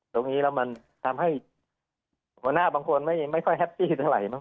ตรงนี้แล้วมันทำให้หัวหน้าบางคนไม่ค่อยแฮปปี้เท่าไหรั